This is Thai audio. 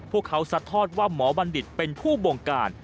พวกเขาซัดทอดว่าหมอบัณฑิตเป็นผู้บงการ